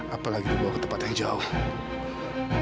apalagi dibawa ke tempat yang jauh